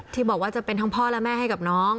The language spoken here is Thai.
ที่บอกว่าจะเป็นทั้งพ่อและแม่ให้กับน้อง